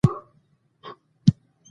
د ترافیکو په ازدحام کې ځنډ راغی.